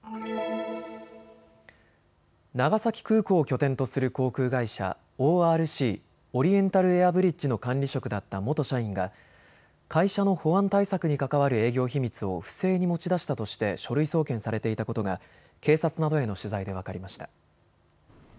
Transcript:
長崎空港を拠点とする航空会社、ＯＲＣ・オリエンタルエアブリッジの管理職だった元社員が会社の保安対策に関わる営業秘密を不正に持ち出したとして書類送検されていたことが警察などへの取材で分かりました。